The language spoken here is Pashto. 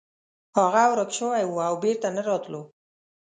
هغه ورک شوی و او بیرته نه راتلو.